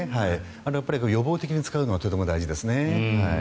予防的に使うのはとても大事ですね。